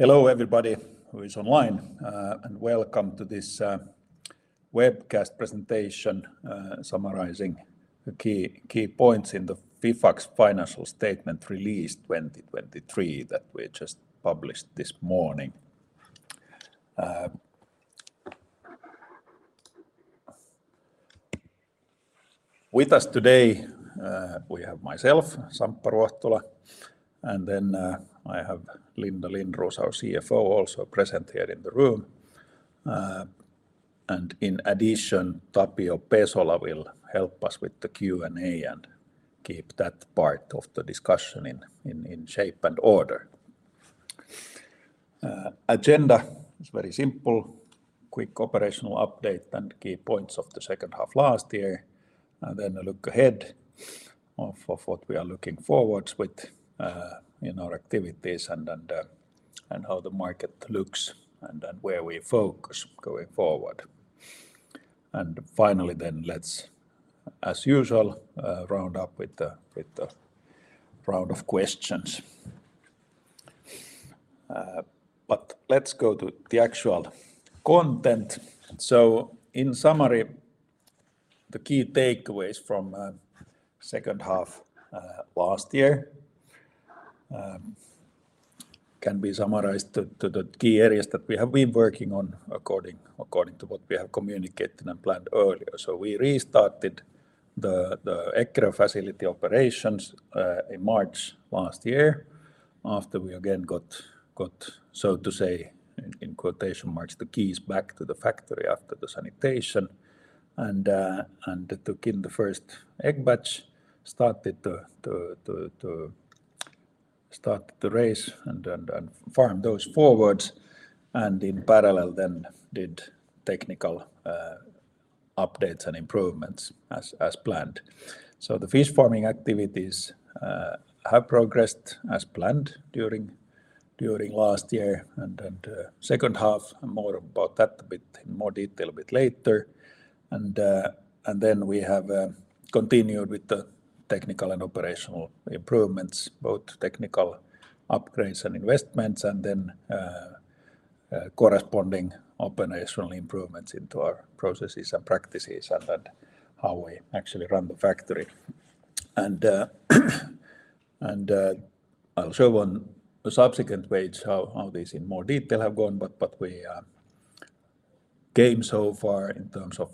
Hello everybody who is online, and welcome to this webcast presentation, summarizing the key, key points in the Fifax Financial Statement released 2023, that we just published this morning. With us today, we have myself, Samppa Ruohtula, and then, I have Linda Lindroos, our CFO, also present here in the room. And in addition, Tapio Pesola will help us with the Q&A and keep that part of the discussion in shape and order. Agenda is very simple. Quick operational update and key points of the second half last year, and then a look ahead of, of what we are looking forwards with, in our activities and then, and how the market looks, and then where we focus going forward. And finally, then let's, as usual, round up with the, with the round of questions. But let's go to the actual content. So in summary, the key takeaways from second half last year can be summarized to the key areas that we have been working on according to what we have communicated and planned earlier. So we restarted the Eckerö facility operations in March last year, after we again got, so to say, in quotation marks, the keys back to the factory after the sanitation. And took in the first egg batch, started to start the raise and then farm those forwards, and in parallel then did technical updates and improvements as planned. So the fish farming activities have progressed as planned during last year and second half, and more about that a bit in more detail a bit later. And then we have continued with the technical and operational improvements, both technical upgrades and investments, and then corresponding operational improvements into our processes and practices, and then how we actually run the factory. I'll show on a subsequent page how this in more detail have gone, but we came so far in terms of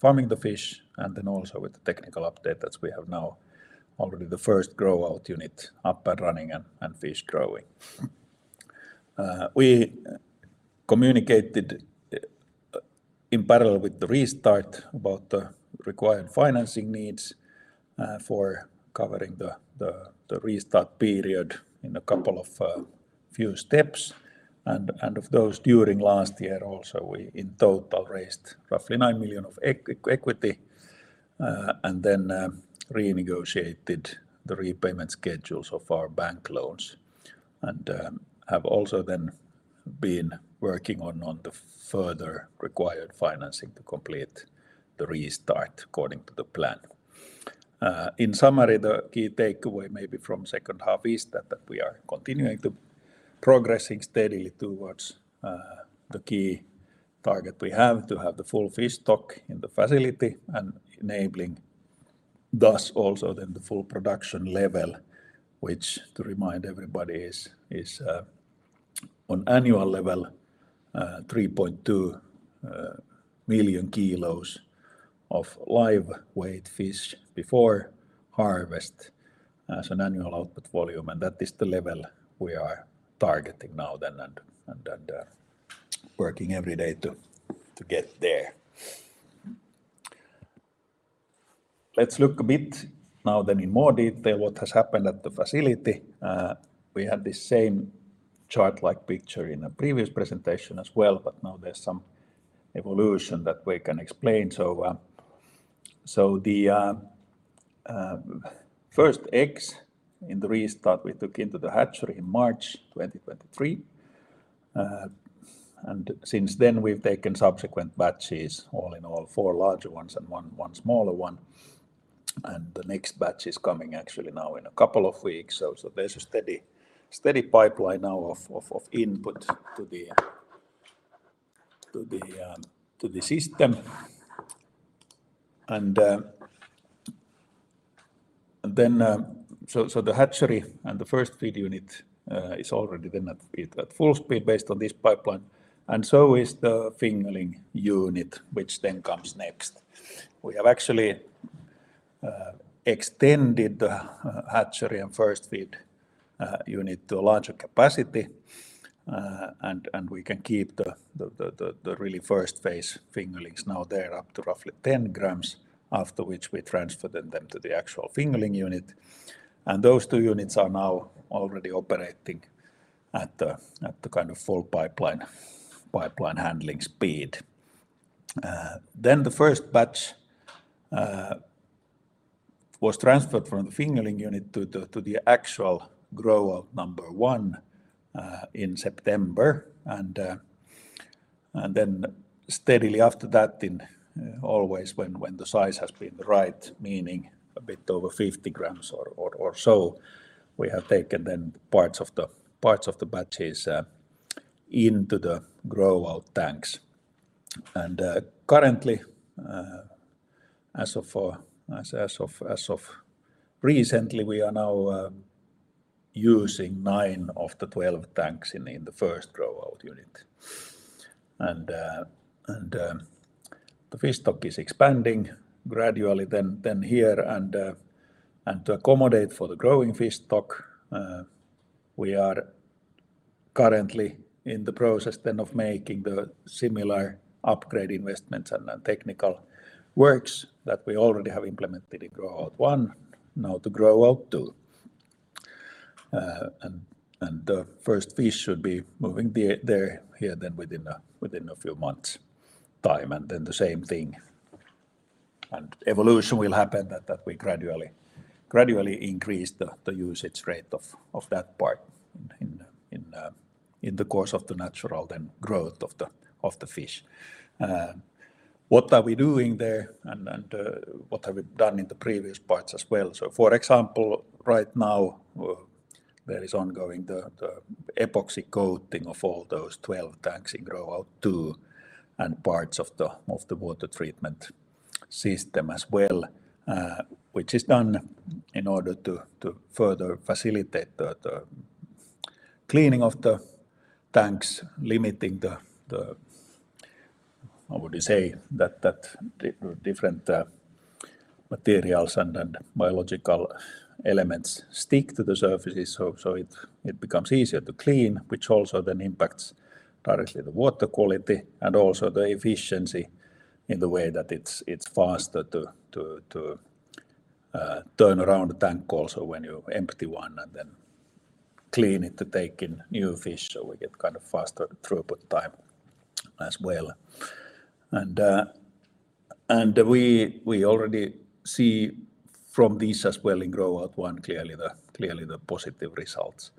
farming the fish, and then also with the technical update, that we have now already the first Grow-out unit up and running and fish growing. We communicated in parallel with the restart about the required financing needs for covering the restart period in a couple of few steps. Of those, during last year also, we in total raised roughly 9 million of equity, and then renegotiated the repayment schedules of our bank loans. And have also then been working on the further required financing to complete the restart according to the plan. In summary, the key takeaway maybe from second half is that we are continuing to progressing steadily towards the key target we have to have the full fish stock in the facility, and enabling, thus, also then the full production level, which, to remind everybody, is on annual level 3.2 million kilos of live weight fish before harvest as an annual output volume, and that is the level we are targeting now then, and working every day to get there. Let's look a bit now then in more detail what has happened at the facility. We had the same chart-like picture in a previous presentation as well, but now there's some evolution that we can explain. So, so the first eggs in the restart, we took into the hatchery in March 2023. And since then, we've taken subsequent batches, all in all, four larger ones and one smaller one, and the next batch is coming actually now in a couple of weeks. So, so there's a steady, steady pipeline now of input to the system. And then, so the hatchery and the first feed unit is already then at speed, at full speed based on this pipeline, and so is the fingerling unit, which then comes next. We have actually extended the hatchery and first feed unit to a larger capacity, and we can keep the really first phase fingerlings now there up to roughly 10 grams, after which we transfer them to the actual fingerling unit. And those two units are now already operating at the kind of full pipeline handling speed. Then the first batch was transferred from the fingerling unit to the actual Grow-out 1 in September. And then steadily after that, always when the size has been right, meaning a bit over 50 grams or so, we have taken then parts of the batches into the Grow-out tanks. Currently, as of recently, we are now using 9 of the 12 tanks in the first Grow-out unit. The fish stock is expanding gradually here, and to accommodate for the growing fish stock, we are currently in the process of making the similar upgrade investments and technical works that we already have implemented in Grow-out 1, now to Grow-out 2. The first fish should be moving there within a few months' time, and then the same thing. Evolution will happen, that we gradually increase the usage rate of that part in the course of the natural growth of the fish. What are we doing there, and what have we done in the previous parts as well? So for example, right now, there is ongoing the epoxy coating of all those 12 tanks in Grow-out 2, and parts of the water treatment system as well, which is done in order to further facilitate the cleaning of the tanks, limiting the-how would you say, that the different materials and then biological elements stick to the surfaces, so it becomes easier to clean, which also then impacts directly the water quality and also the efficiency in the way that it's faster to turn around the tank also when you empty one and then clean it to take in new fish, so we get kind of faster throughput time as well. And we already see from these as well in Grow-out 1, clearly the positive results.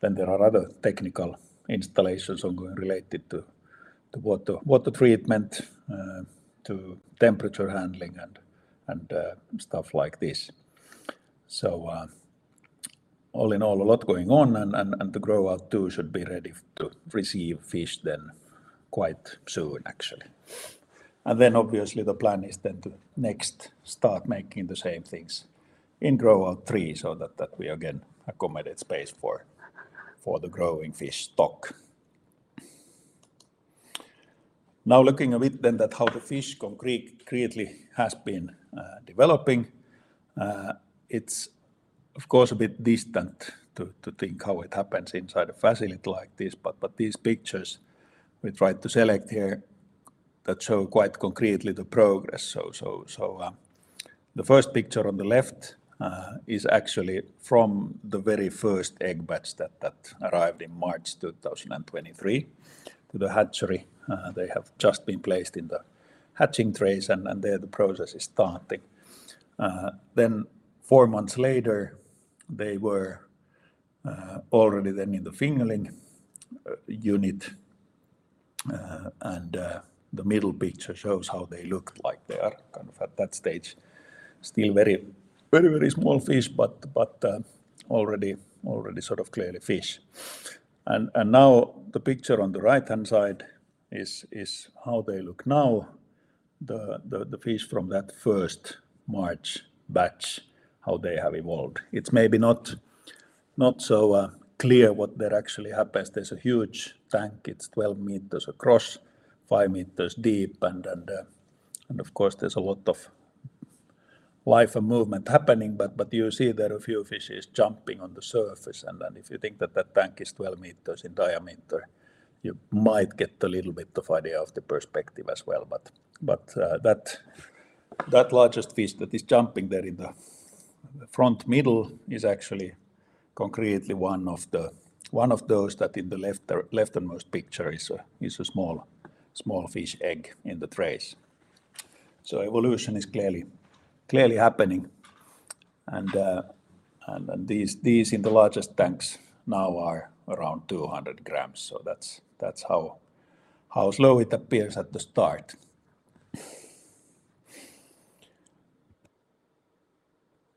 Then there are other technical installations ongoing related to water treatment, to temperature handling, and stuff like this. So, all in all, a lot going on, and the Grow-out 2 should be ready to receive fish then quite soon, actually. And then obviously the plan is then to next start making the same things in Grow-out 3, so that we again accommodate space for the growing fish stock. Now, looking a bit then at how the fish concretely has been developing, it's of course a bit distant to think how it happens inside a facility like this, but these pictures we tried to select here that show quite concretely the progress. So, the first picture on the left is actually from the very first egg batch that arrived in March 2023 to the hatchery. They have just been placed in the hatching trays, and there the process is starting. Then four months later, they were already then in the fingerling unit, and the middle picture shows how they looked like. They are kind of at that stage, still very, very, very small fish, but already sort of clearly fish. And now the picture on the right-hand side is how they look now, the fish from that first March batch, how they have evolved. It's maybe not so clear what there actually happens. There's a huge tank. It's 12 meters across, 5 meters deep, and of course, there's a lot of life and movement happening, but you see there a few fishes jumping on the surface. And then if you think that that tank is 12 meters in diameter, you might get a little bit of idea of the perspective as well. But that largest fish that is jumping there in the front middle is actually concretely one of those that in the left-hand most picture is a small fish egg in the trays. So evolution is clearly happening. And these in the largest tanks now are around 200 grams, so that's how slow it appears at the start.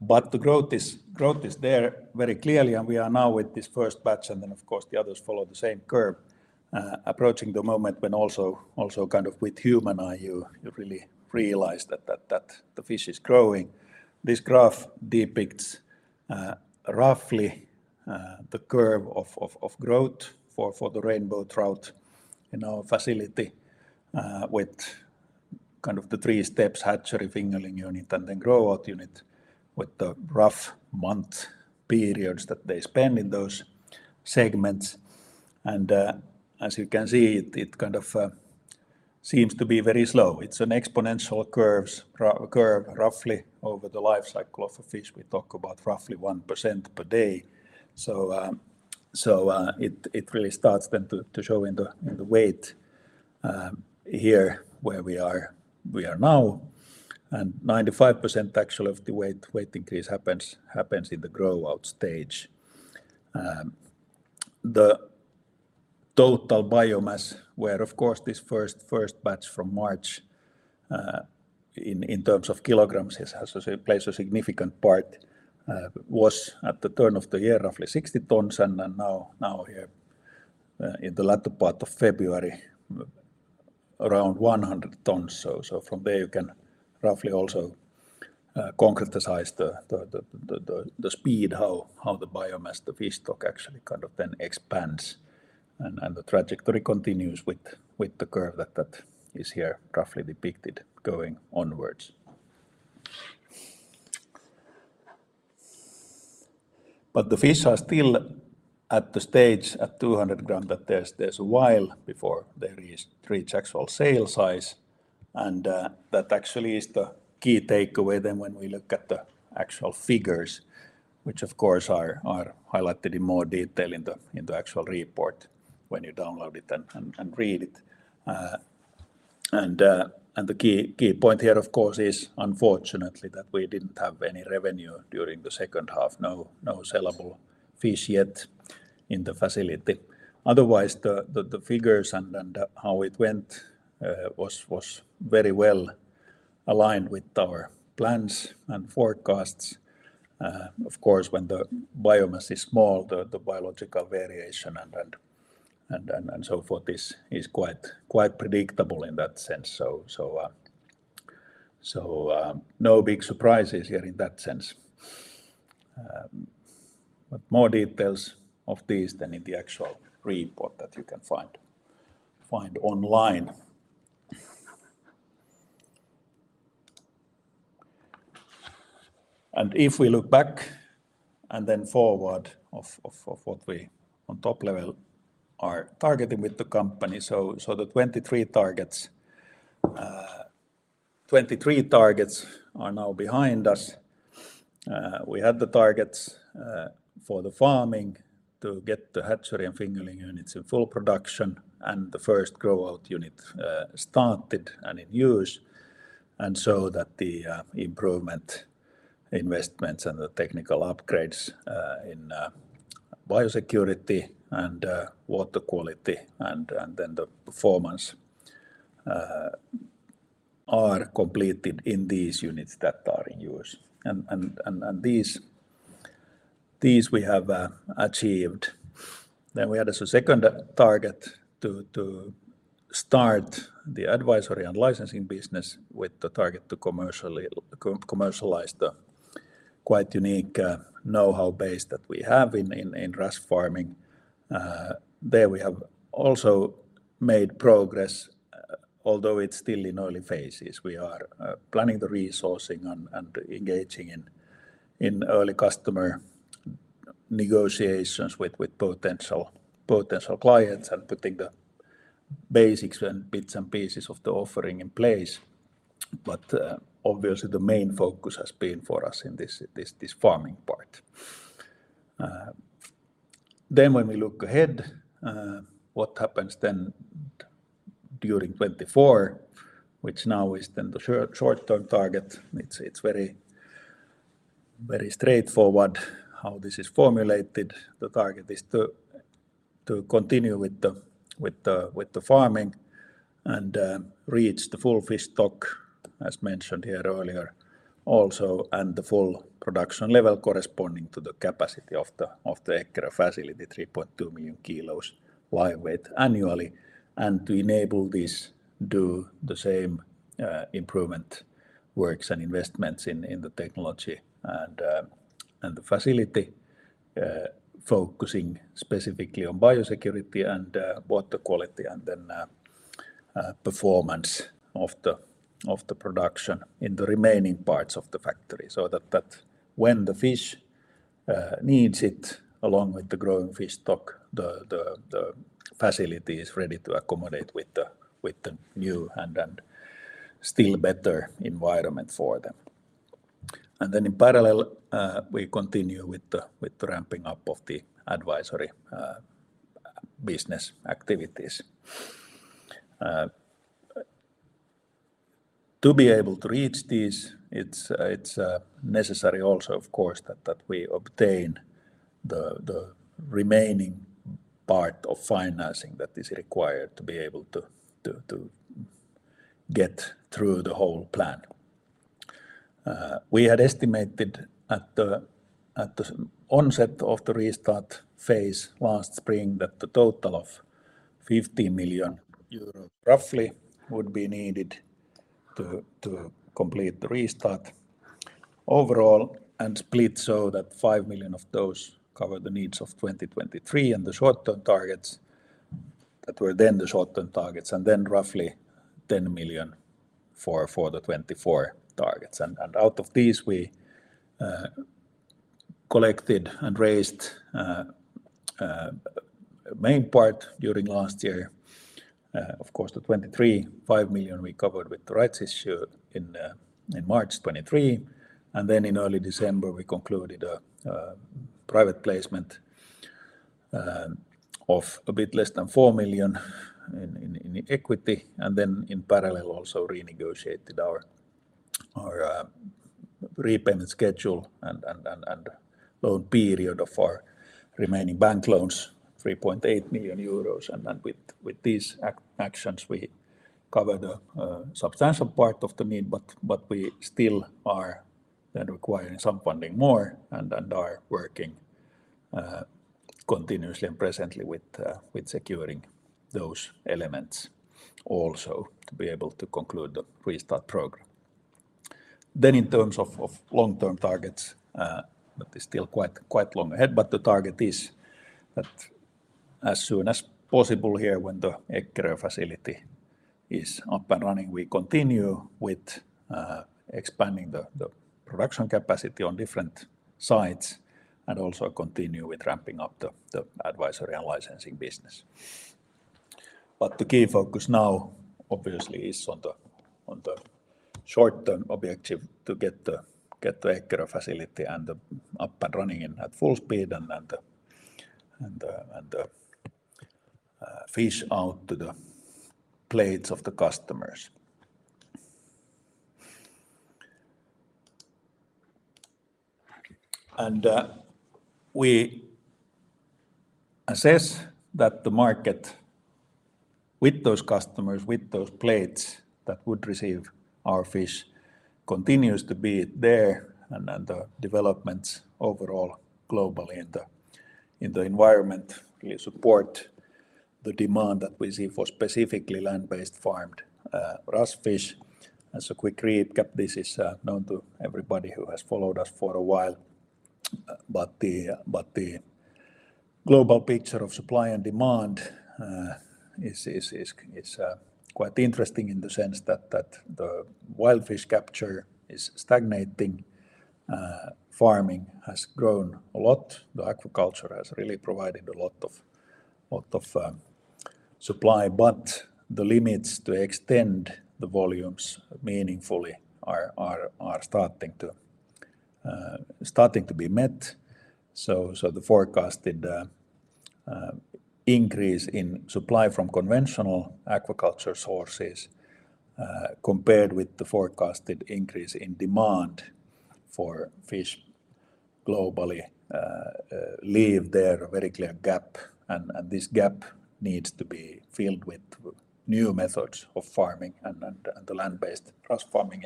But the growth is, growth is there very clearly, and we are now with this first batch, and then, of course, the others follow the same curve, approaching the moment when also, also kind of with human eye, you, you really realize that, that, that the fish is growing. This graph depicts roughly the curve of growth for the rainbow trout in our facility, with kind of the three steps, Hatchery, Fingerling unit, and then Grow-out unit, with the rough month periods that they spend in those segments. As you can see, it kind of seems to be very slow. It's an exponential curve roughly over the life cycle of a fish. We talk about roughly 1% per day. It really starts then to show in the weight here, where we are now and 95% actually of the weight increase happens in the Grow-out stage. The total biomass, where of course this first batch from March in terms of kilograms plays a significant part, was at the turn of the year roughly 60 tons, and then now here in the latter part of February around 100 tons. From there, you can roughly also concretize the speed, how the biomass, the fish stock actually kind of then expands and the trajectory continues with the curve that is here roughly depicted going onwards. But the fish are still at the stage at 200 grams, that there's a while before they reach actual sale size. And that actually is the key takeaway then when we look at the actual figures, which of course are highlighted in more detail in the actual report when you download it and read it. And the key point here, of course, is unfortunately that we didn't have any revenue during the second half. No sellable fish yet in the facility. Otherwise, the figures and how it went was very well aligned with our plans and forecasts. Of course, when the biomass is small, the biological variation and so forth is quite predictable in that sense. No big surprises here in that sense. But more details of these than in the actual report that you can find online. And if we look back and then forward what we on top level are targeting with the company, the 2023 targets are now behind us. We had the targets for the farming to get the hatchery and fingerling units in full production, and the first Grow-out unit started and in use. And so that the improvement investments and the technical upgrades in biosecurity and water quality, and then the performance are completed in these units that are in use. And these we have achieved. Then we had a second target to start the advisory and licensing business with the target to commercially commercialize the quite unique know-how base that we have in RAS farming. There we have also made progress although it's still in early phases. We are planning the resourcing and engaging in early customer negotiations with potential clients and putting the basics and bits and pieces of the offering in place. But obviously, the main focus has been for us in this farming part. Then when we look ahead, what happens then during 2024, which now is then the short-term target, it's very straightforward how this is formulated. The target is to continue with the farming and reach the full fish stock, as mentioned here earlier, also, and the full production level corresponding to the capacity of the Eckerö facility, 3.2 million kilos live weight annually. And to enable this, do the same improvement works and investments in the technology and the facility, focusing specifically on biosecurity and water quality, and then performance of the production in the remaining parts of the factory. So that when the fish needs it, along with the growing fish stock, the facility is ready to accommodate with the new and still better environment for them. And then in parallel, we continue with the ramping up of the advisory business activities. To be able to reach these, it's necessary also, of course, that we obtain the remaining part of financing that is required to be able to get through the whole plan. We had estimated at the onset of the restart phase last spring, that the total of 50 million euro, roughly, would be needed to complete the restart overall, and split so that 5 million of those cover the needs of 2023, and the short-term targets, that were then the short-term targets, and then roughly 10 million for the 2024 targets. Out of these, we collected and raised the main part during last year. Of course, the 2023 5 million we covered with the rights issue in March 2023, and then in early December, we concluded a private placement of a bit less than 4 million in equity, and then in parallel also renegotiated our repayment schedule and loan period of our remaining bank loans, 3.8 million euros. And then with these actions, we covered a substantial part of the need, but we still are then requiring some funding more and are working continuously and presently with securing those elements also to be able to conclude the restart program. Then in terms of long-term targets, that is still quite long ahead, but the target is that as soon as possible here, when the Eckerö facility is up and running, we continue with expanding the production capacity on different sites and also continue with ramping up the advisory and licensing business. But the key focus now obviously is on the short-term objective to get the Eckerö facility up and running and at full speed and then the fish out to the plates of the customers. And we assess that the market with those customers, with those plates that would receive our fish, continues to be there, and then the developments overall globally in the environment really support the demand that we see for specifically land-based farmed RAS fish. As a quick recap, this is known to everybody who has followed us for a while, but the global picture of supply and demand is quite interesting in the sense that the wild fish capture is stagnating. Farming has grown a lot. The aquaculture has really provided a lot of supply, but the limits to extend the volumes meaningfully are starting to be met. So the forecasted increase in supply from conventional aquaculture sources, compared with the forecasted increase in demand for fish globally, leave there a very clear gap, and this gap needs to be filled with new methods of farming and the land-based RAS farming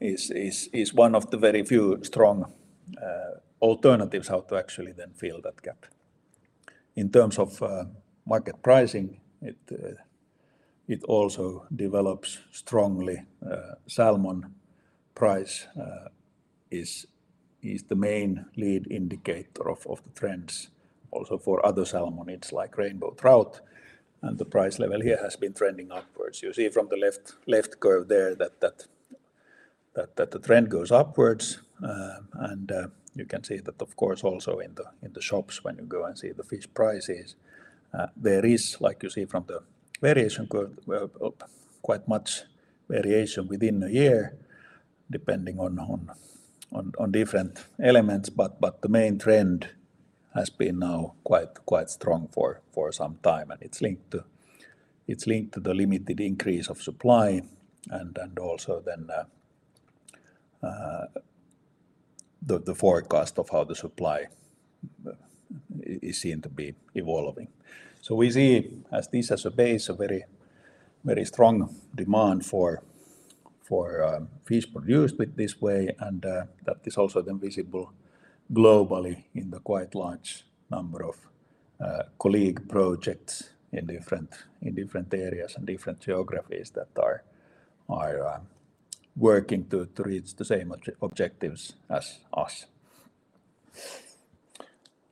is one of the very few strong alternatives how to actually then fill that gap. In terms of market pricing, it also develops strongly. Salmon price is the main lead indicator of the trends also for other salmonids like rainbow trout, and the price level here has been trending upwards. You see from the left curve there that the trend goes upwards. You can see that of course also in the shops when you go and see the fish prices. There is, like you see from the variation curve, quite much variation within a year, depending on different elements, but the main trend has been now quite strong for some time, and it's linked to the limited increase of supply and also then the forecast of how the supply is seen to be evolving. So we see this as a base, a very, very strong demand for fish produced with this way, and that is also then visible globally in the quite large number of colleague projects in different areas and different geographies that are working to reach the same objectives as us.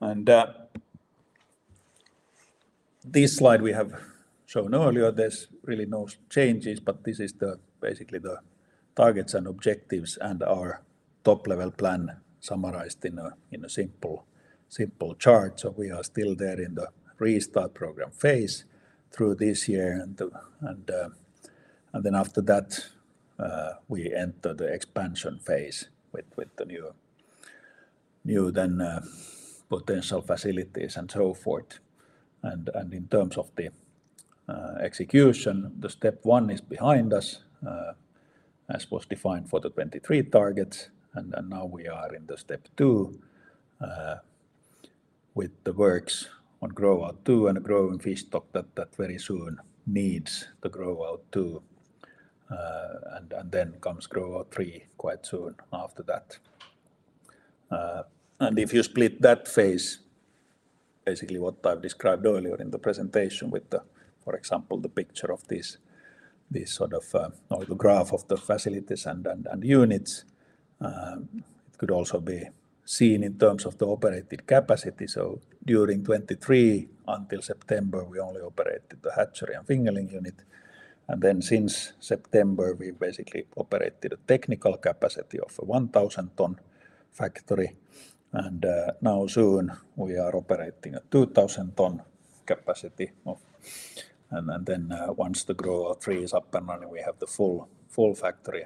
And this slide we have shown earlier, there's really no changes, but this is basically the targets and objectives and our top-level plan summarized in a simple chart. So we are still there in the restart program phase through this year and then after that, we enter the expansion phase with the new then potential facilities and so forth. In terms of the execution, step 1 is behind us, as was defined for the 2023 targets, and then now we are in step 2, with the works on Grow-out 2 and a growing fish stock that very soon needs the Grow-out 2, and then comes Grow-out 3 quite soon after that. And if you split that phase, basically what I've described earlier in the presentation with, for example, the picture of this sort of or the graph of the facilities and units, it could also be seen in terms of the operated capacity. So during 2023, until September, we only operated the hatchery and fingerling unit, and then since September, we basically operated a technical capacity of a 1,000-ton factory, and, now soon, we are operating a 2,000-ton capacity and, and then, once the Grow-out 3 is up and running, we have the full, full factory,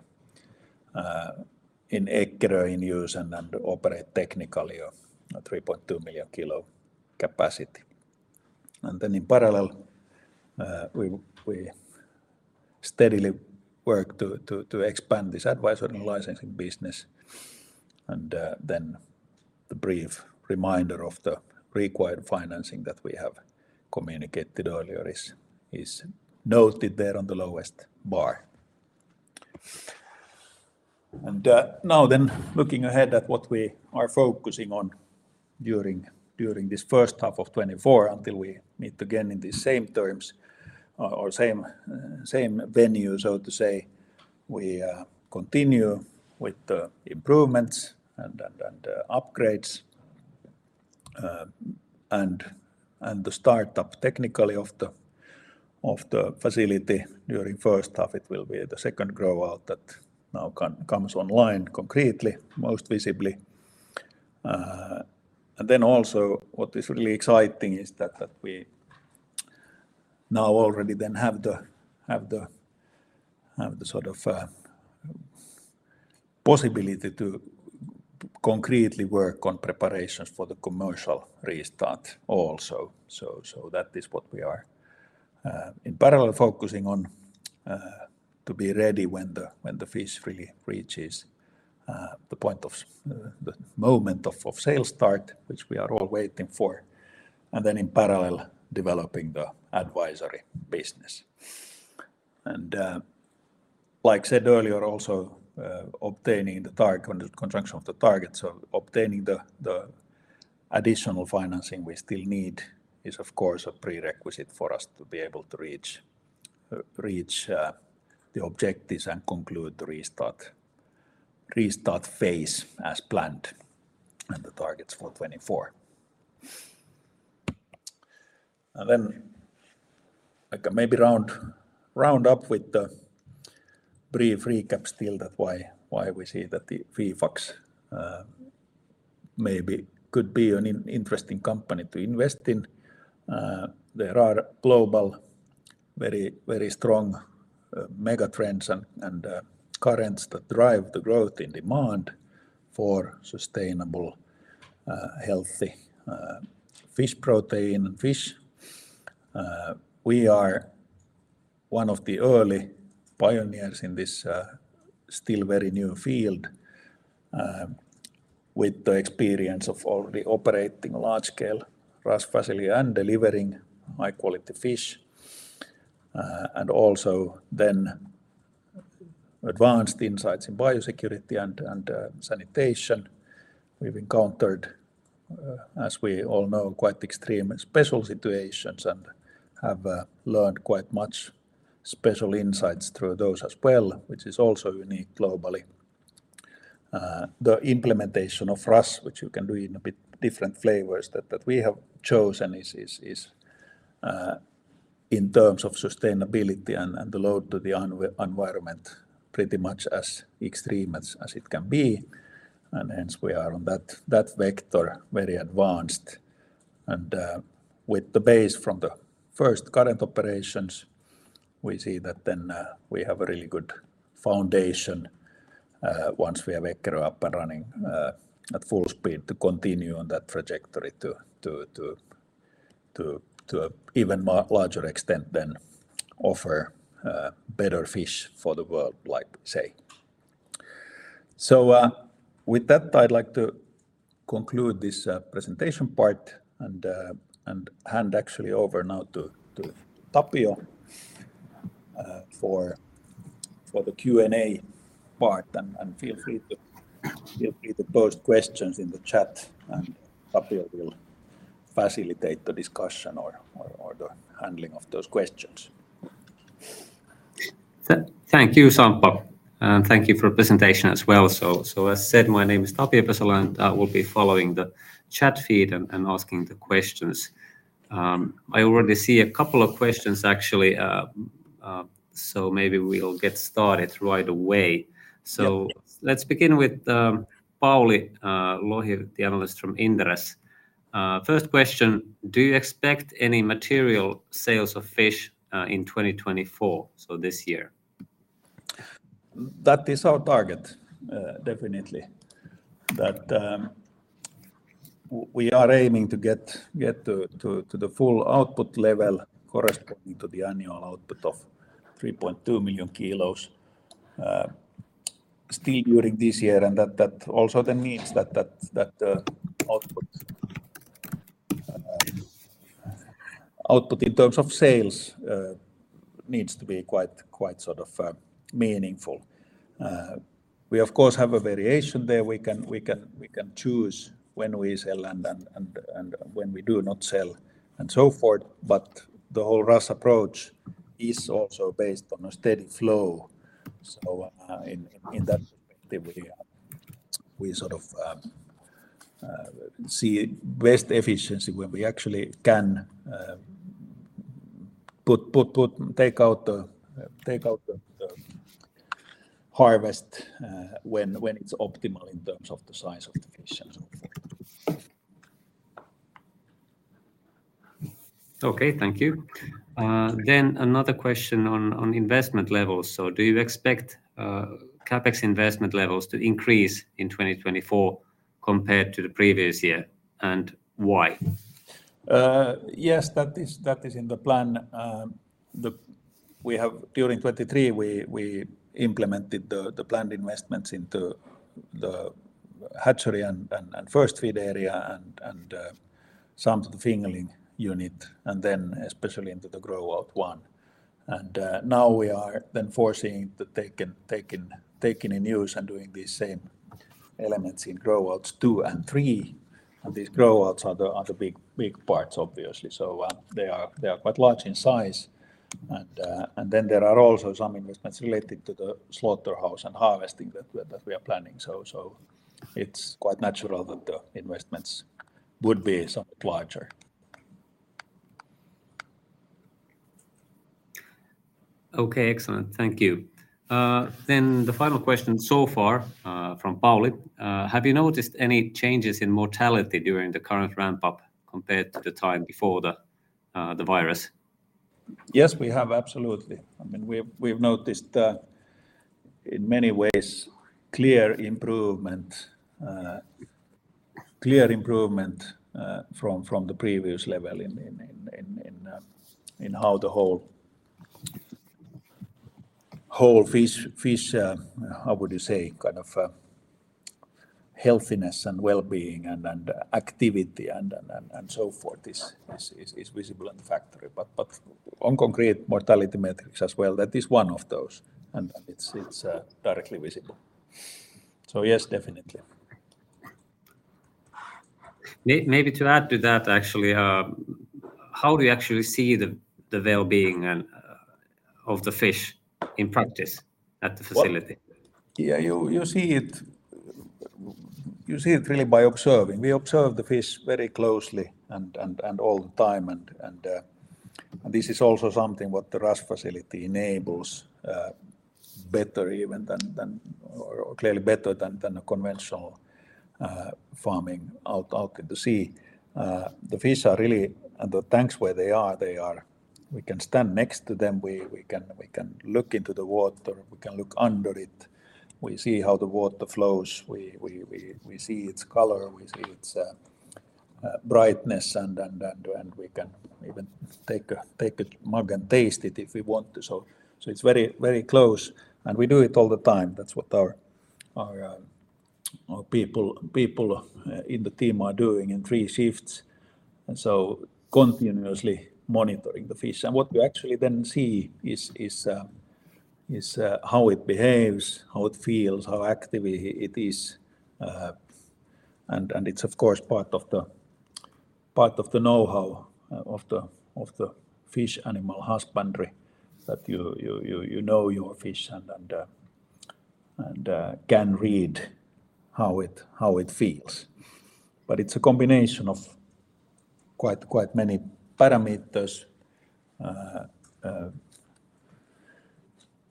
in Eckerö in use and, and operate technically a, a 3.2 million-kilo capacity. And then in parallel, we, we steadily work to, to, to expand this advisory and licensing business. And, then the brief reminder of the required financing that we have communicated earlier is, is noted there on the lowest bar. And, now then, looking ahead at what we are focusing on during this first half of 2024, until we meet again in the same terms or same venue, so to say, we continue with the improvements and upgrades. And the start up technically of the facility during first half, it will be the second Grow-out that now comes online concretely, most visibly. And then also what is really exciting is that we now already then have the sort of possibility to concretely work on preparations for the commercial restart also. So that is what we are in parallel focusing on to be ready when the fish really reaches the point of the moment of sale start, which we are all waiting for, and then in parallel, developing the advisory business. Like I said earlier, also obtaining the target conjunction of the targets, so obtaining the additional financing we still need is of course a prerequisite for us to be able to reach the objectives and conclude the restart phase as planned, and the targets for 2024. Then I can maybe round up with the brief recap still that why we see that Fifax maybe could be an interesting company to invest in. There are global, very, very strong mega trends and currents that drive the growth in demand for sustainable healthy fish protein and fish. We are one of the early pioneers in this still very new field with the experience of already operating large scale RAS facility and delivering high quality fish and also then advanced insights in biosecurity and sanitation. We've encountered, as we all know, quite extreme special situations and have learned quite much special insights through those as well, which is also unique globally. The implementation of RAS, which you can do in a bit different flavors, that we have chosen is in terms of sustainability and the load to the environment, pretty much as extreme as it can be. Hence we are on that vector, very advanced. With the base from the first current operations, we see that then we have a really good foundation, once we have Eckerö up and running at full speed, to continue on that trajectory to an even more larger extent than offer better fish for the world, like say. So, with that, I'd like to conclude this presentation part and hand actually over now to Tapio for the Q&A part. And feel free to post questions in the chat, and Tapio will facilitate the discussion or the handling of those questions. Thank you, Samppa, and thank you for presentation as well. So, as said, my name is Tapio Pesola, and I will be following the chat feed and asking the questions. I already see a couple of questions, actually, so maybe we'll get started right away. Yep. So let's begin with Pauli Lohi, the analyst from Inderes. First question: do you expect any material sales of fish in 2024, so this year? That is our target, definitely. That, we are aiming to get to the full output level corresponding to the annual output of 3.2 million kilos, still during this year. And that also then means that output in terms of sales needs to be quite sort of meaningful. We of course have a variation there. We can choose when we sell and then when we do not sell, and so forth, but the whole RAS approach is also based on a steady flow. So, in that perspective, we sort of see waste efficiency when we actually can take out the harvest when it's optimal in terms of the size of the fish and so forth. Okay, thank you. Then another question on investment levels. So do you expect CapEx investment levels to increase in 2024 compared to the previous year, and why? Yes, that is in the plan. We have, during 2023, implemented the planned investments into the hatchery and first feed area and some to the fingerling unit, and then especially into the Grow-out 1. Now we are foreseeing to take in use and doing these same elements in Grow-outs 2 and 3. These Grow-outs are the big parts, obviously. They are quite large in size. There are also some investments related to the slaughterhouse and harvesting that we're planning. It's quite natural that the investments would be somewhat larger. Okay, excellent. Thank you. Then the final question so far from Pauli. Have you noticed any changes in mortality during the current ramp up compared to the time before the virus? Yes, we have, absolutely. I mean, we've noticed in many ways clear improvement from the previous level in how the whole fish, how would you say, kind of, healthiness and well-being and so forth is visible in the factory. But on concrete mortality metrics as well, that is one of those, and it's directly visible. So yes, definitely. Maybe to add to that, actually, how do you actually see the well-being and of the fish in practice at the facility? Yeah, you see it really by observing. We observe the fish very closely and all the time, and this is also something what the RAS facility enables, better even than, or clearly better than, a conventional farming out in the sea. The fish are really, and the tanks where they are. We can stand next to them. We can look into the water. We can look under it. We see how the water flows. We see its color, we see its brightness, and we can even take a mug and taste it if we want to. So it's very close, and we do it all the time. That's what our people in the team are doing in three shifts, and so continuously monitoring the fish. And what we actually then see is how it behaves, how it feels, how active it is. And it's of course part of the know-how of the fish animal husbandry, that you know your fish and can read how it feels. But it's a combination of quite many parameters.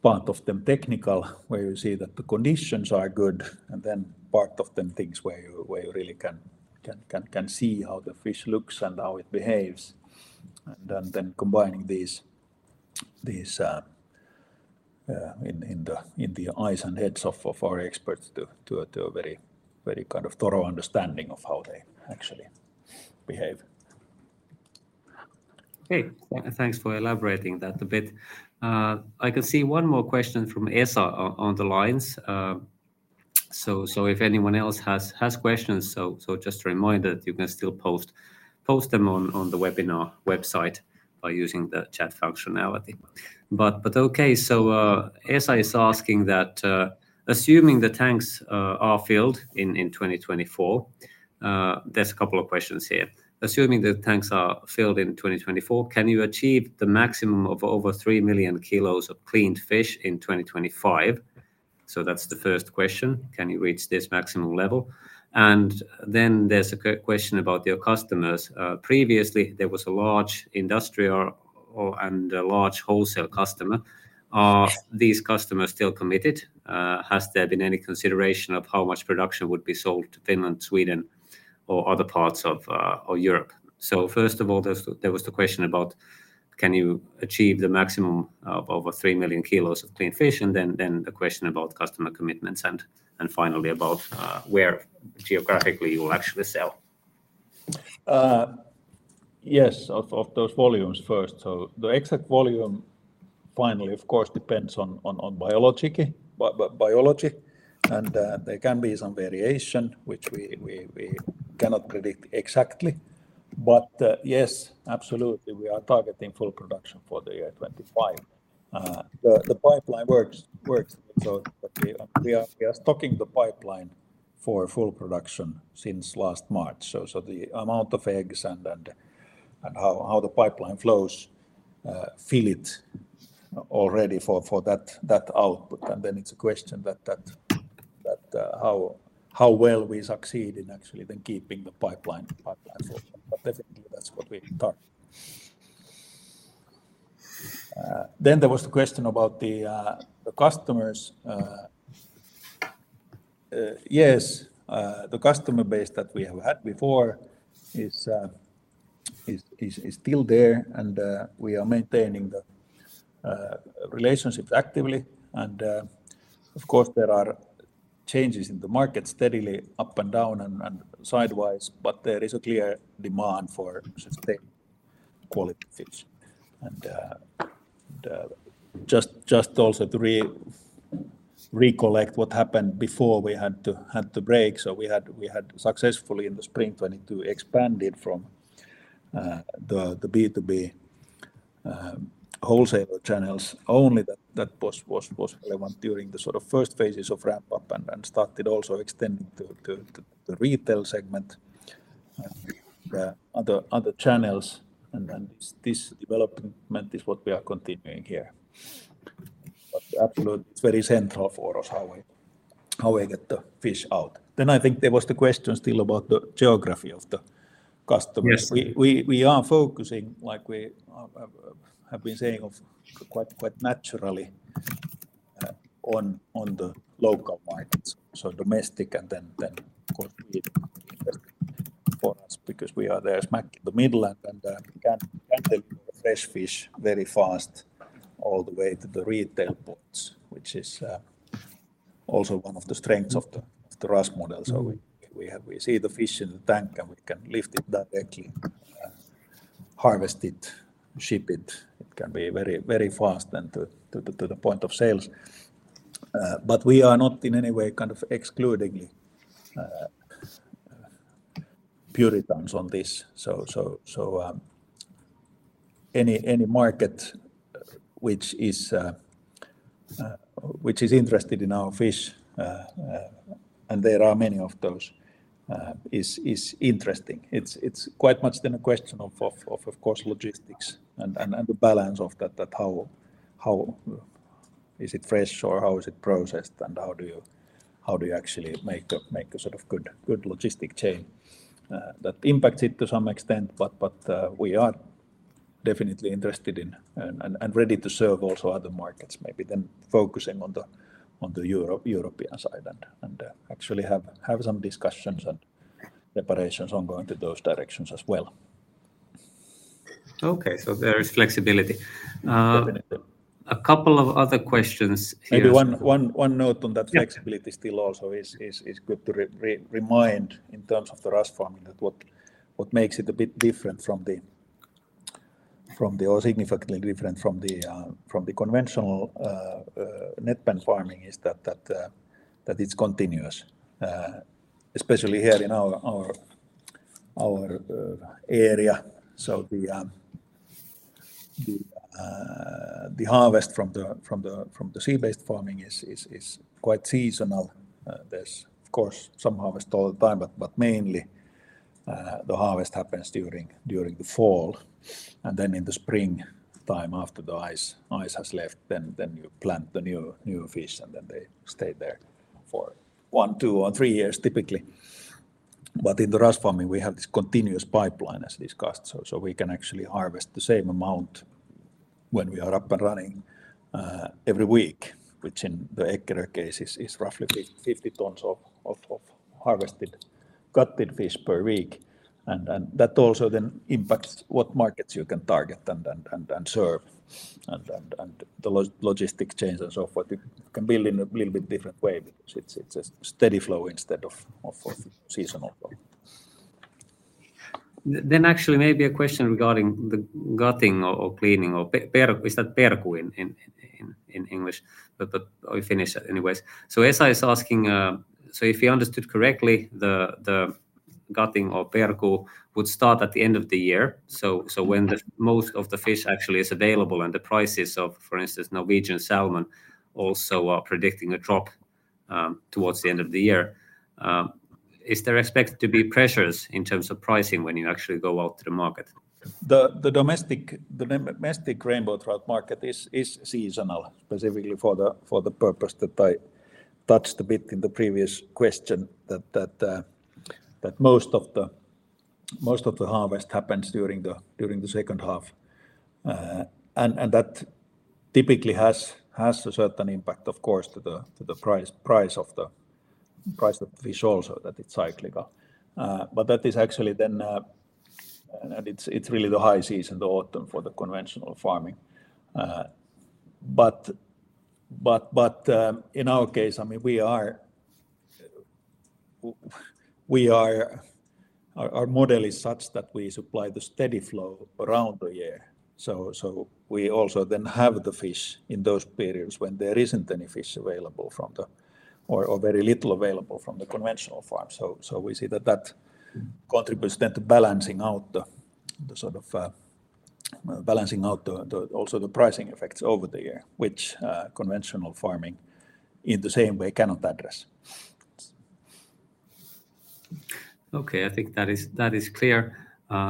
Part of them technical, where you see that the conditions are good, and then part of them things where you really can see how the fish looks and how it behaves. And then combining these in the eyes and heads of our experts to a very kind of thorough understanding of how they actually behave. Okay. Thanks for elaborating that a bit. I can see one more question from Esa online. So if anyone else has questions, just a reminder that you can still post them on the webinar website by using the chat functionality. But okay, Esa is asking that, assuming the tanks are filled in 2024, there's a couple of questions here. Assuming the tanks are filled in 2024, can you achieve the maximum of over 3 million kilos of cleaned fish in 2025? So that's the first question. Can you reach this maximum level? And then there's a question about your customers. Previously, there was a large industrial or and a large wholesale customer. Are these customers still committed? Has there been any consideration of how much production would be sold to Finland, Sweden, or other parts of Europe? So first of all, there was the question about, can you achieve the maximum of over 3 million kilos of clean fish, and then the question about customer commitments, and finally about where geographically you will actually sell. Yes, of those volumes first. So the exact volume finally, of course, depends on biology, and there can be some variation, which we cannot predict exactly. Yes, absolutely, we are targeting full production for the year 2025. The pipeline works, but we are stocking the pipeline for full production since last March. So the amount of eggs and how the pipeline flows fill it already for that output. And then it's a question that how well we succeed in actually then keeping the pipeline full. But definitely, that's what we target. Then there was the question about the customers. Yes, the customer base that we have had before is still there, and we are maintaining the relationships actively. And just also to recollect what happened before we had to break, so we had successfully in the spring 2022 expanded from the B2B wholesaler channels only. That was relevant during the sort of first phases of ramp up and started also extending to the retail segment, other channels. And then this development is what we are continuing here. But absolutely, it's very central for us how we get the fish out. I think there was the question still about the geography of the customers. Yes. We are focusing, like we have been saying of quite naturally, on the local markets. So domestic and then of course for us, because we are there smack in the middle and can handle fresh fish very fast all the way to the retail points, which is also one of the strengths of the RAS model. So we have. We see the fish in the tank, and we can lift it directly, harvest it, ship it. It can be very, very fast and to the point of sales. But we are not in any way kind of exclusively puritans on this. Any market which is interested in our fish, and there are many of those, is interesting. It's quite much then a question of course, logistics and the balance of that, how is it fresh or how is it processed, and how do you actually make a sort of good logistic chain? That impacts it to some extent, but we are definitely interested in and ready to serve also other markets, maybe then focusing on the European side and actually have some discussions and preparations ongoing to those directions as well. Okay, so there is flexibility. Definitely. A couple of other questions here. Maybe one note on that flexibility still also is good to remind in terms of the RAS farming, that what makes it a bit different from the or significantly different from the conventional net pen farming is that it's continuous. Especially here in our area. So the harvest from the sea-based farming is quite seasonal. There's of course some harvest all the time, but mainly the harvest happens during the fall. And then in the spring time, after the ice has left, then you plant the new fish, and then they stay there for one, two, or three years typically. But in the RAS farming, we have this continuous pipeline, as discussed, so we can actually harvest the same amount when we are up and running every week, which in the Eckerö case is roughly 50 tons of harvested, gutted fish per week. And that also then impacts what markets you can target and serve, and the logistics chains and so forth. You can build in a little bit different way because it's a steady flow instead of seasonal flow. Then actually maybe a question regarding the gutting or cleaning or perku, is that perku in English? But I finish anyways. So Esa is asking, so if he understood correctly, the gutting or perku would start at the end of the year. So when the most of the fish actually is available and the prices of, for instance, Norwegian salmon also are predicting a drop towards the end of the year, is there expected to be pressures in terms of pricing when you actually go out to the market? The domestic rainbow trout market is seasonal, specifically for the purpose that I touched a bit in the previous question, that most of the harvest happens during the second half. And that typically has a certain impact, of course, to the price of the fish also, that it's cyclical. But that is actually then and it's really the high season, the autumn, for the conventional farming. But in our case, I mean, our model is such that we supply the steady flow around the year. So we also then have the fish in those periods when there isn't any fish available from the conventional farm or very little available from the conventional farm. So we see that that contributes then to balancing out the sort of also the pricing effects over the year, which conventional farming in the same way cannot address. Okay, I think that is, that is clear.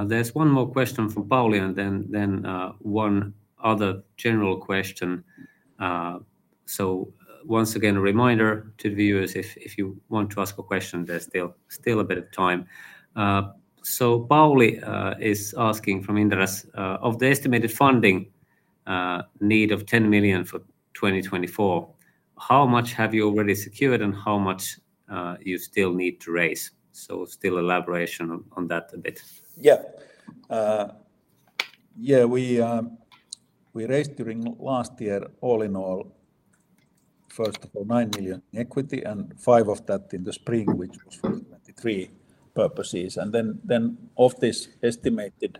There's one more question from Pauli, and then, then, one other general question. So once again, a reminder to the viewers, if, if you want to ask a question, there's still, still a bit of time. So Pauli is asking from Inderes, "Of the estimated funding need of 10 million for 2024, how much have you already secured, and how much you still need to raise?" So still elaboration on, on that a bit. Yeah. Yeah, we raised during last year, all in all, first of all, 9 million in equity, and 5 million of that in the spring, which was for 2023 purposes. And then of this estimated,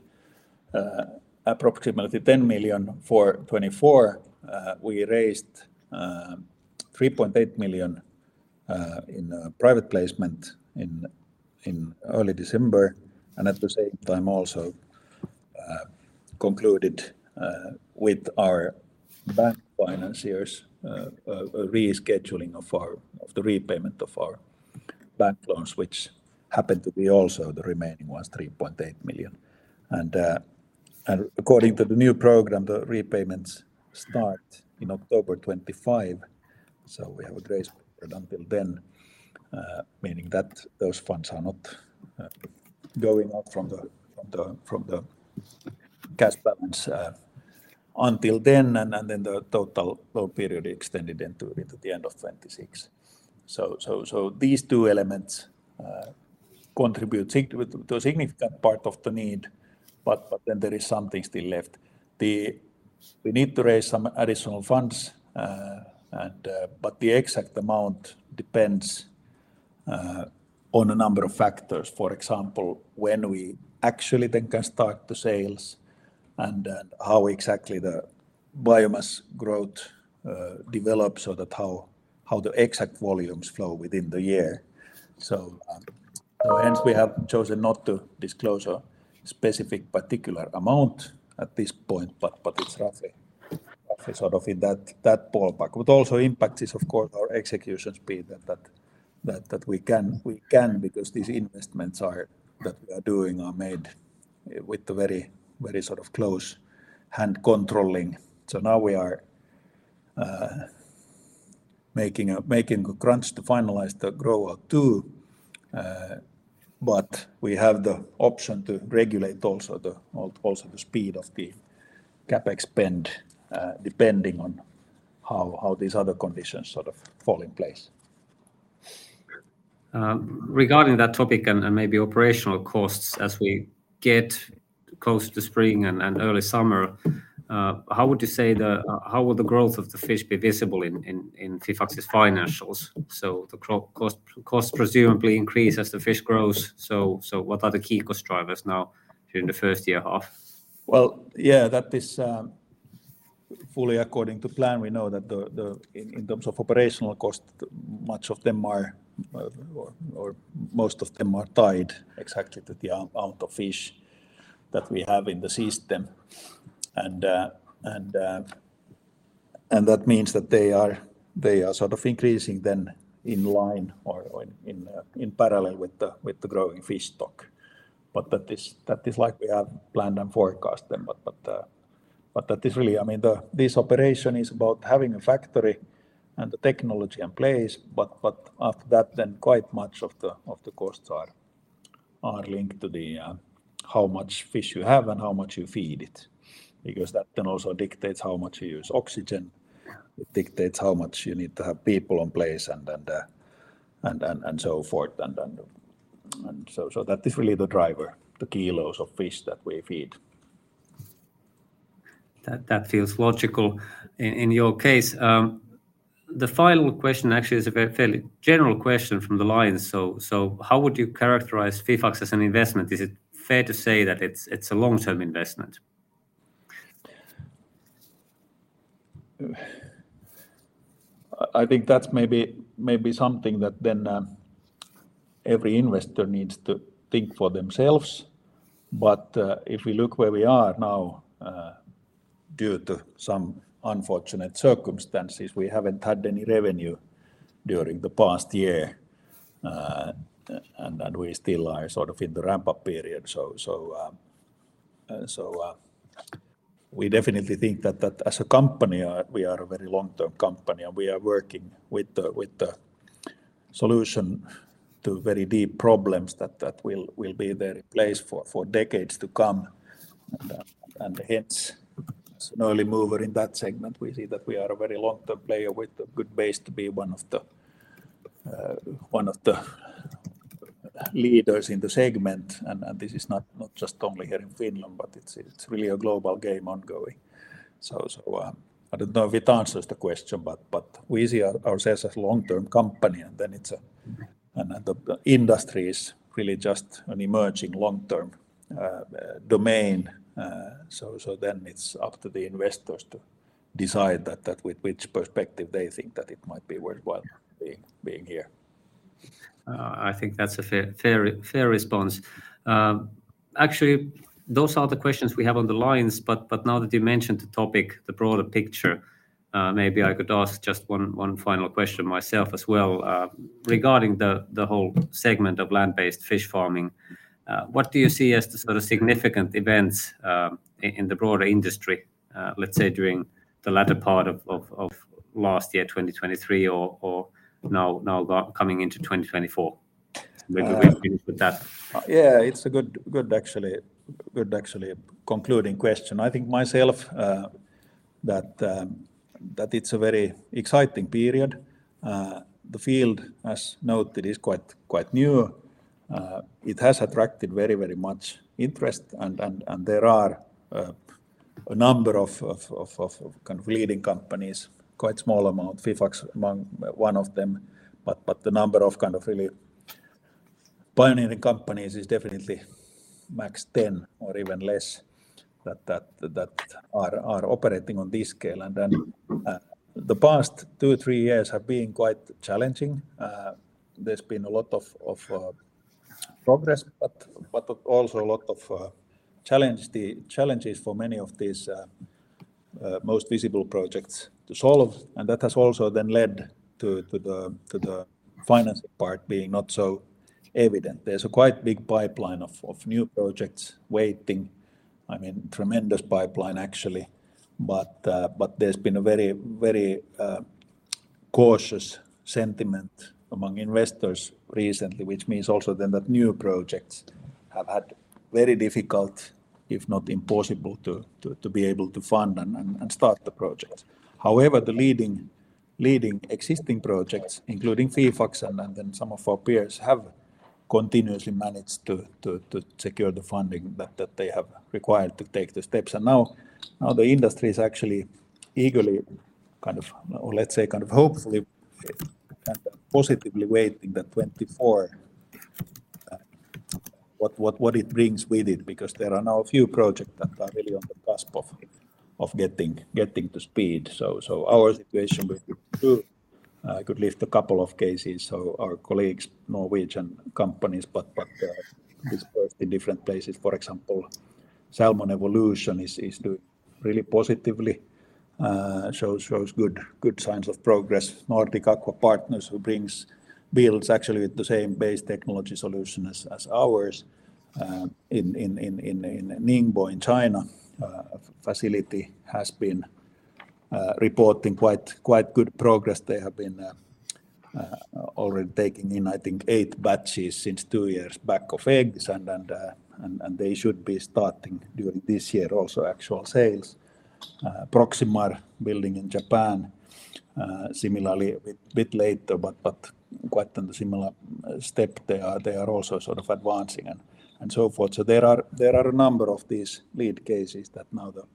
approximately 10 million for 2024, we raised 3.8 million in a private placement in early December, and at the same time also concluded with our bank financiers a rescheduling of our repayment of our bank loans, which happened to be also the remaining was 3.8 million. And according to the new program, the repayments start in October 2025, so we have a grace period until then. Meaning that those funds are not going out from the cash balance until then, and then the total loan period extended into the end of 2026. So these two elements contribute significantly to a significant part of the need, but then there is something still left. We need to raise some additional funds, and but the exact amount depends on a number of factors. For example, when we actually then can start the sales, and then how exactly the biomass growth develops, or how the exact volumes flow within the year. Hence we have chosen not to disclose a specific particular amount at this point, but it's roughly sort of in that ballpark. What also impacts is, of course, our execution speed, that we can because these investments that we are doing are made with very, very sort of close hand controlling. So now we are making a crunch to finalize the Grow-out 2, but we have the option to regulate also the speed of the CapEx spend, depending on how these other conditions sort of fall in place. Regarding that topic and maybe operational costs, as we get close to spring and early summer, how will the growth of the fish be visible in Fifax's financials? So the crop costs presumably increase as the fish grows, so what are the key cost drivers now during the first year half? Well, yeah, that is fully according to plan. We know that in terms of operational costs, much of them are, or most of them are tied exactly to the amount of fish that we have in the system. And that means that they are sort of increasing then in line or in parallel with the growing fish stock. But that is like we have planned and forecast them. But that is really, I mean, this operation is about having a factory and the technology in place, but after that, then quite much of the costs are linked to the how much fish you have and how much you feed it. Because that then also dictates how much you use oxygen, it dictates how much you need to have people on place, and so forth, so that is really the driver, the kilos of fish that we feed. That feels logical in your case. The final question actually is a very fairly general question from the line. So how would you characterize Fifax as an investment? Is it fair to say that it's a long-term investment? I think that's maybe something that then every investor needs to think for themselves. But if we look where we are now, due to some unfortunate circumstances, we haven't had any revenue during the past year, and we still are sort of in the ramp-up period. So we definitely think that as a company, we are a very long-term company, and we are working with the solution to very deep problems that will be there in place for decades to come. And hence, as an early mover in that segment, we see that we are a very long-term player with a good base to be one of the leaders in the segment. This is not just only here in Finland, but it's really a global game ongoing. So, I don't know if it answers the question, but we see ourselves as a long-term company, and then it's, and the industry is really just an emerging long-term domain. So then it's up to the investors to decide that with which perspective they think that it might be worthwhile being here. I think that's a fair response. Actually, those are the questions we have on the lines, but now that you mentioned the topic, the broader picture, maybe I could ask just one final question myself as well. Regarding the whole segment of land-based fish farming, what do you see as the sort of significant events in the broader industry, let's say during the latter part of last year, 2023, or now coming into 2024? Yeah, it's a good, actually, concluding question. I think myself that it's a very exciting period. The field, as noted, is quite new. It has attracted very much interest, and there are a number of kind of leading companies, quite small amount, Fifax among one of them. But the number of kind of really pioneering companies is definitely max 10 or even less, that are operating on this scale. And then, the past two, three years have been quite challenging. There's been a lot of progress, but also a lot of challenges for many of these most visible projects to solve. And that has also then led to the financing part being not so evident. There's a quite big pipeline of new projects waiting. I mean, tremendous pipeline actually, but there's been a very, very cautious sentiment among investors recently, which means also then that new projects have had very difficult, if not impossible, to be able to fund and start the projects. However, the leading existing projects, including Fifax and then some of our peers, have continuously managed to secure the funding that they have required to take the steps. And now the industry is actually eagerly, kind of, or let's say kind of hopefully, positively awaiting that 2024, what it brings with it, because there are now a few projects that are really on the cusp of getting to speed. So our situation with too, I could list a couple of cases, so our colleagues, Norwegian companies, but they are dispersed in different places. For example, Salmon Evolution is doing really positively, shows good signs of progress. Nordic Aqua Partners, who builds actually the same base technology solution as ours, in Ningbo, in China. Facility has been already taking in, I think, eight batches since two years back of eggs, and they should be starting during this year also actual sales. Proximar building in Japan, similarly a bit later, but quite on the similar step. They are also sort of advancing and so forth. So there are a number of these lead cases that now the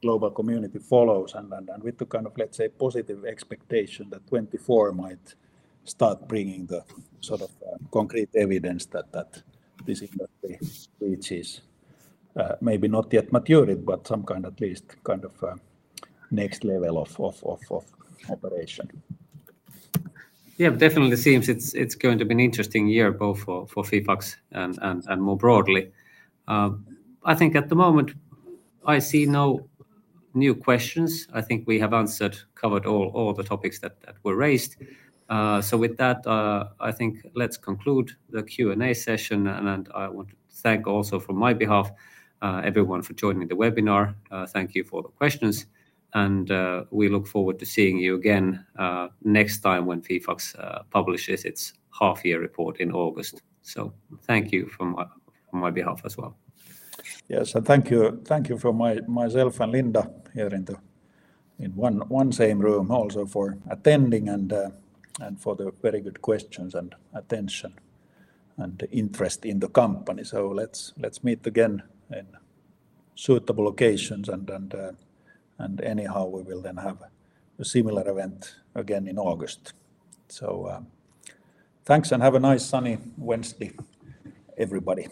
global community follows, and with the kind of, let's say, positive expectation that 2024 might start bringing the sort of, concrete evidence that this industry reaches. Maybe not yet maturity, but some kind, at least kind of, next level of operation. Yeah, definitely seems it's going to be an interesting year both for Fifax and more broadly. I think at the moment, I see no new questions. I think we have answered, covered all the topics that were raised. So with that, I think let's conclude the Q&A session, and I want to thank also from my behalf, everyone for joining the webinar. Thank you for the questions, and we look forward to seeing you again next time when Fifax publishes its half-year report in August. So thank you from my behalf as well. Yes, and thank you. Thank you from myself and Linda here in the one same room, also for attending and for the very good questions and attention and interest in the company. So let's meet again in suitable occasions and anyhow, we will then have a similar event again in August. So, thanks and have a nice sunny Wednesday, everybody.